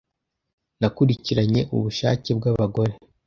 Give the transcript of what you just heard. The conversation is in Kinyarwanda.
Nakurikiranye ubushake bw'abagore,